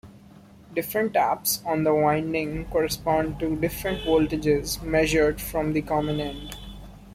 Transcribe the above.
Different taps on the winding correspond to different voltages, measured from the common end.